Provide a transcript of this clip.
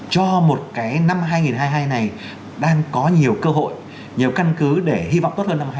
cho một cái năm hai nghìn hai mươi hai này đang có nhiều cơ hội nhiều căn cứ để hy vọng tốt hơn năm hai nghìn hai mươi